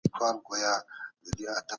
دنيا وينمه خوند راكوي